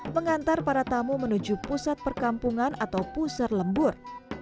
mengantar para tamu menuju pusat perkampungan atau pusar lembur